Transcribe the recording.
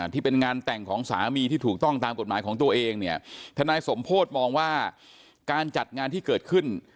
ที่เป็นงานแต่งของสามีที่ถูกต้องตามกฎหมายของตัวเองเนี่ยทนายสมโพธิมองว่าการจัดงานที่เกิดขึ้น